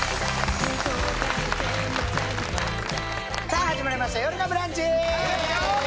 さあ始まりました「よるのブランチ」